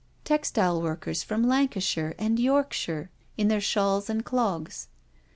Textile workers from Lancashire and Yorkshire in their shawls and clogs.